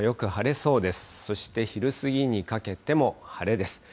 そして昼過ぎにかけても、晴れです。